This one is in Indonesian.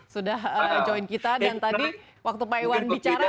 sudah join kita dan tadi waktu pak iwan bicara